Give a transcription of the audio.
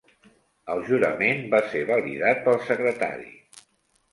El jurament va ser validat pel secretari.